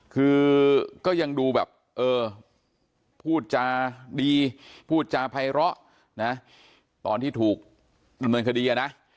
คือก็ยังดูแบบเออพูดจาดีพูดจาภัยเหราะนะตอนที่ถูกมันเหมือนคดีนะ